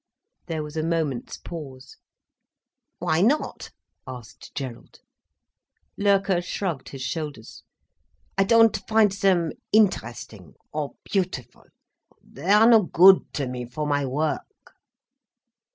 There was a moment's pause. "Why not?" asked Gerald. Loerke shrugged his shoulders. "I don't find them interesting—or beautiful—they are no good to me, for my work."